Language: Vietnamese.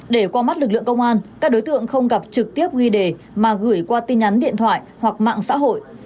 để qua mắt lực lượng công an các đối tượng không gặp trực tiếp ghi đề mà gửi qua tin nhắn điện thoại hoặc mạng xã hội